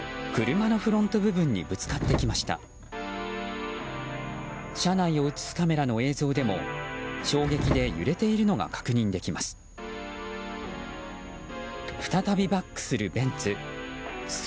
車内を映すカメラの映像でも衝撃で揺れているのが確認できます。